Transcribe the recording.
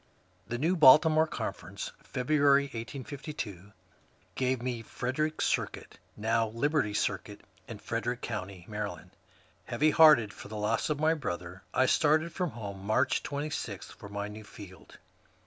The Baltimore Conference, February, 1852, gave me Fred erick Circuit, now " Liberty Circuit," in Frederick County, Md. Heavy hearted for the loss of my brother, I started from home, March 26, for my new field.